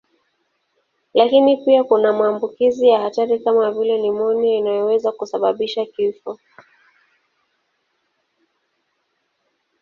Lakini pia kuna maambukizi ya hatari kama vile nimonia inayoweza kusababisha kifo.